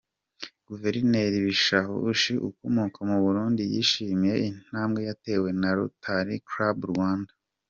Guverineri Bishahushi ukomoka mu Burundi yishimiye intambwe yatewe na Rotary Club Rwanda.